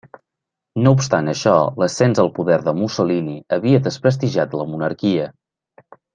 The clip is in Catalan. No obstant això, l'ascens al poder de Mussolini havia desprestigiat la monarquia.